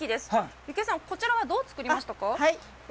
幸恵さん、こちらはどう作りましたか。